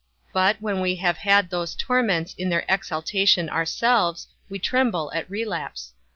But when we have had those torments in their exaltation ourselves, we tremble at relapse.